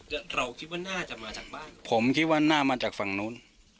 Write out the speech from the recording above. แล้วเราคิดว่าน่าจะมาจากบ้านผมคิดว่าหน้ามาจากฝั่งนู้น